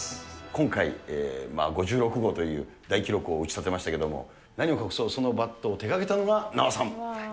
今回、５６号という大記録を打ち立てましたけれども、何を隠そう、そのバットを手がけたのが名和さん。